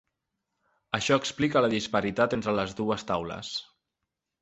Això explica la disparitat entre les dues taules.